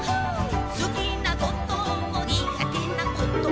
「すきなこともにがてなことも」